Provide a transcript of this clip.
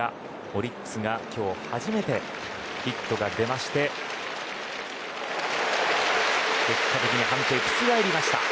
オリックスが今日初めてヒットが出まして結果的に判定、覆返りました。